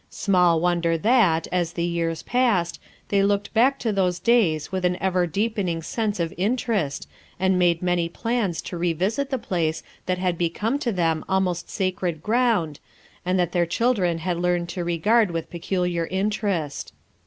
Small wonder that, as the years passed, they looked back to those days with an ever deepening sense of interest and made many plans to revisit the place that had become to them almost sacred ground and that their children had learned to regard with peculiar interest.